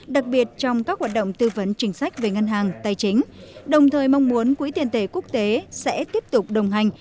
đặc biệt trong các hoạt động tư vấn chính sách về ngân hàng tài chính đồng thời mong muốn quỹ tiền tệ quốc tế sẽ tiếp tục đồng hành